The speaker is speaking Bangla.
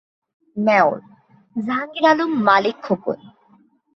মেয়র: জাহাঙ্গীর আলম মালিক খোকন